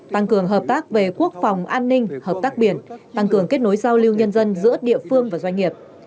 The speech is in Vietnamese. tăng cường hợp tác về quốc phòng an ninh hợp tác biển tăng cường kết nối giao lưu nhân dân giữa địa phương và doanh nghiệp